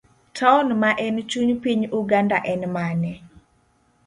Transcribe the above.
Taon ma en chuny piny Uganda en mane?